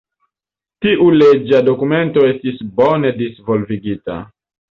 Tiu leĝa dokumento estis bone disvolvigita.